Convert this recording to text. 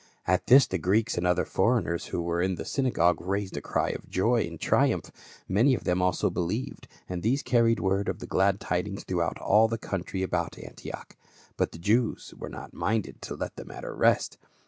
" At this the Greeks and other foreigners who were in the synagogue raised a cry of joy and triumph ; many of them also believed, and these carried word of the glad tidings throughout all the country about Antioch. But the Jews were not minded to let the matter rest.